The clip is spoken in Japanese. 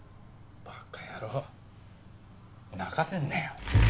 馬鹿野郎泣かせんなよ。